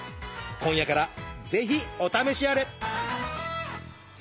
今夜からぜひお試しあれ！